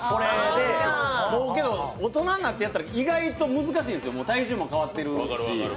大人になってやったら意外と難しいんですよ、体重も変わってるし。